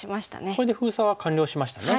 これで封鎖は完了しましたね。